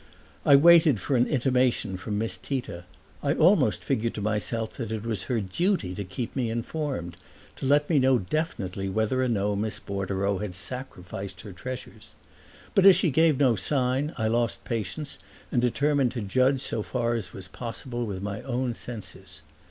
I waited for an intimation from Miss Tita; I almost figured to myself that it was her duty to keep me informed, to let me know definitely whether or no Miss Bordereau had sacrificed her treasures. But as she gave no sign I lost patience and determined to judge so far as was possible with my own senses.